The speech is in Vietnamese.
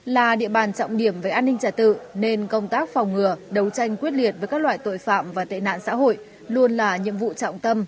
là địa bàn trọng điểm về an ninh trả tự nên công tác phòng ngừa đấu tranh quyết liệt với các loại tội phạm và tệ nạn xã hội luôn là nhiệm vụ trọng tâm